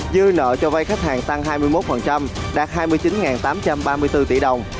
dư nợ cho vay khách hàng tăng hai mươi một đạt hai mươi chín tám trăm ba mươi bốn tỷ đồng